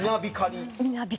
稲光？